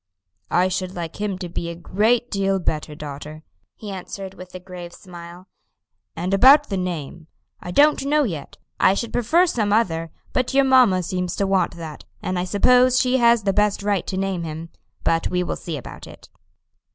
"I should like him to be a great deal better, daughter," he answered with a grave smile; "and about the name I don't know yet; I should prefer some other, but your mamma seems to want that, and I suppose she has the best right to name him; but we will see about it."